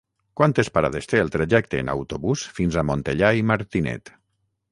Quantes parades té el trajecte en autobús fins a Montellà i Martinet?